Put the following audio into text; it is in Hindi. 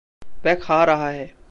वह खा रहा है।